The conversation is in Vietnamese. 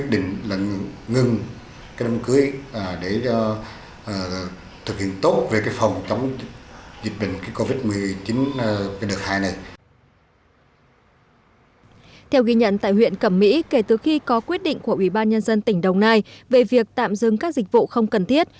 theo ghi nhận tại huyện cẩm mỹ kể từ khi có quyết định của ubnd tỉnh đồng nai về việc tạm dừng các dịch vụ không cần thiết